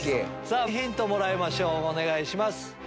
ヒントもらいましょうお願いします。